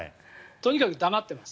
とにかく黙ってます。